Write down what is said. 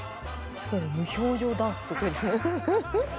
確かに無表情ダンスすごいですね。